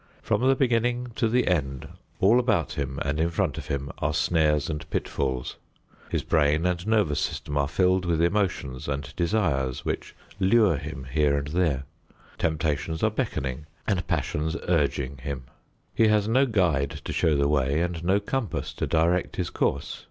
From the beginning to the end, all about him and in front of him are snares and pitfalls. His brain and nervous system are filled with emotions and desires which lure him here and there. Temptations are beckoning and passions urging him. He has no guide to show the way and no compass to direct his course.